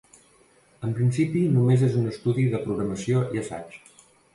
En principi només és un estudi de programació i assaig.